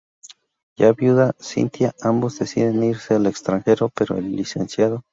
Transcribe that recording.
Ya viuda Cynthia, ambos deciden irse al extranjero pero el Lic.